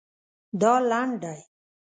دا لنډ دی